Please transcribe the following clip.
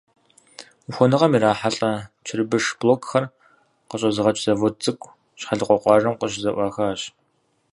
Ухуэныгъэм ирахьэлӏэ чырбыш блокхэр къыщӏэзыгъэкӏ завод цӏыкӏу Щхьэлыкъуэ къуажэм къыщызэӏуахащ.